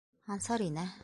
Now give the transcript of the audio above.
Ансар инә.